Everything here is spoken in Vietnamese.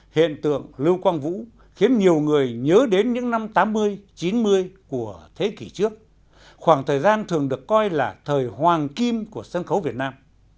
hiện tượng lưu quang vũ khiến nhiều người nhớ đến những năm tám mươi chín mươi của thế kỷ trước khoảng thời gian thường được coi là thời hoàng kim của sân khấu việt nam